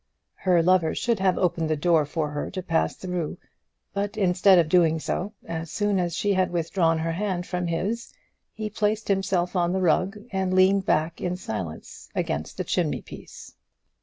Her lover should have opened the door for her to pass through; but instead of doing so, as soon as she had withdrawn her hand from his, he placed himself on the rug, and leaned back in silence against the chimney piece.